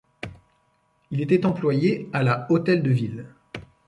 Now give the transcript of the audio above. Il était employé à la Hôtel de Ville.